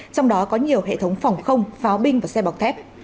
trong đó có nhiều hệ thống phòng không pháo binh và xe bọc thép